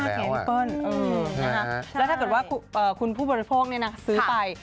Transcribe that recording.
แล้วถ้าเกิดว่าคุณผู้บริโภคซื้อไป